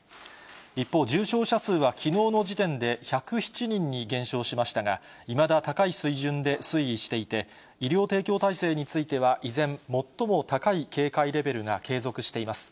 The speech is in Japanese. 一方、重症者数はきのうの時点で１０７人に減少しましたが、いまだ高い水準で推移していて、医療提供体制については、依然、最も高い警戒レベルが継続しています。